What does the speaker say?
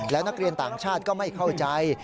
แล้วนักเรียนต่างชาติก็ไม่เข้าใจ